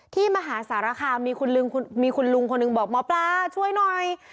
ที่มาหาสารคามมีคุณลุงคนนึงบอกหมอปลาช่วยหน่อย